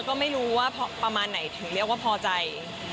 ก็ไม่รู้ว่าประมาณไหนถึงเรียกว่าพอใจ